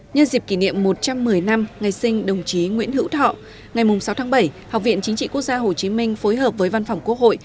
nhân dịp kỷ niệm một trăm một mươi năm ngày sinh đồng chí nguyễn hữu thọ ngày sáu tháng bảy học viện chính trị quốc gia hồ chí minh phối hợp với văn phòng quốc hội